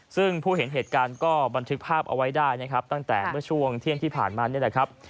ซึ่งผู้เห็นเหตุการณ์ก็บันทึกภาพเอาไว้ได้นะครับตั้งแต่เมื่อช่วงเที่ยงที่ผ่านมานี่แหละครับ